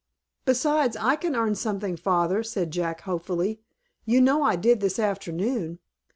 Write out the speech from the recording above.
"Besides, I can earn something, father," said Jack, hopefully. "You know I did this afternoon."